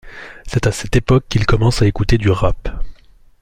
C'est à cette époque qu'il commence à écouter du rap.